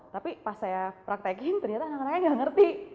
tapi pas saya praktekin ternyata anak anaknya gak ngerti